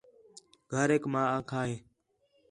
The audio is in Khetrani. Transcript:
گھریک ما آکھا ہے